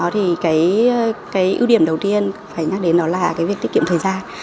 thì cái ưu điểm đầu tiên phải nhắc đến đó là cái việc tiết kiệm thời gian